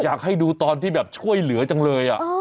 อยากให้ดูตอนที่แบบช่วยเหลือจังเลย